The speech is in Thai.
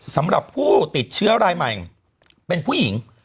สำหรับผู้ติดเชื้อรายใหม่เป็นผู้หญิง